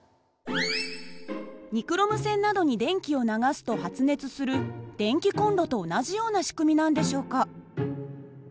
ニクロム線などに電気を流すと発熱する電気コンロと同じような仕組みなんでしょうか？